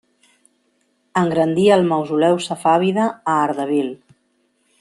Engrandí el mausoleu safàvida a Ardabil.